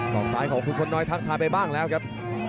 อกซ้ายของคุณพลน้อยทักทายไปบ้างแล้วครับ